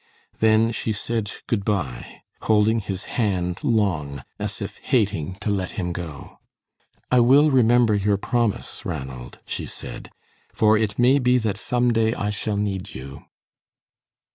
Then she said good by, holding his hand long, as if hating to let him go. "I will remember your promise, Ranald," she said, "for it may be that some day I shall need you."